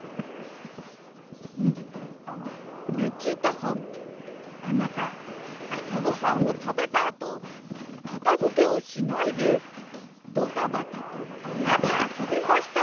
うんルチータさんあなたあさごはんをたべたあとおかたづけをしないでドタバタとへやであそびましたね！